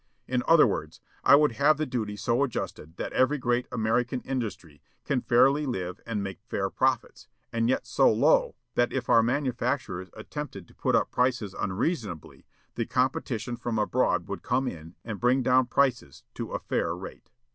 "In other words, I would have the duty so adjusted that every great American industry can fairly live and make fair profits, and yet so low that, if our manufacturers attempted to put up prices unreasonably, the competition from abroad would come in and bring down prices to a fair rate."